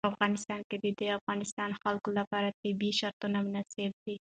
په افغانستان کې د د افغانستان خلکو لپاره طبیعي شرایط مناسب دي.